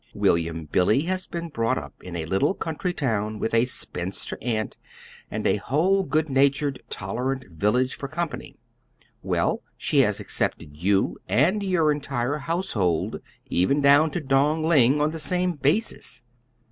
"William, Billy has been brought up in a little country town with a spinster aunt and a whole good natured, tolerant village for company. Well, she has accepted you and your entire household, even down to Dong Ling, on the same basis."